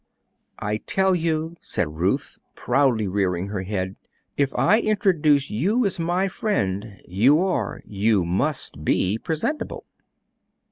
"I tell you," said Ruth, proudly rearing her head, "if I introduce you as my friend, you are, you must be, presentable."